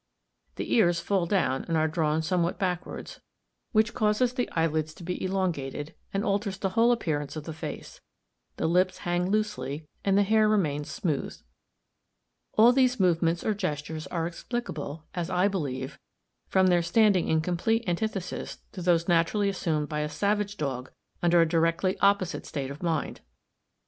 The ears fall down and are drawn somewhat backwards, which causes the eyelids to be elongated, and alters the whole appearance of the face. The lips hang loosely, and the hair remains smooth. All these movements or gestures are explicable, as I believe, from their standing in complete antithesis to those naturally assumed by a savage dog under a directly opposite state of mind.